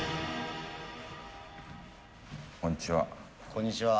こんにちは。